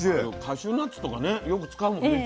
カシューナッツとかねよく使うもんね